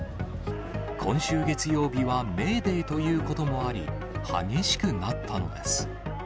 今週月曜日はメーデーということもあり、激しくなったのです。